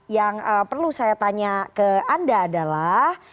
yang perlu saya tanya ke anda adalah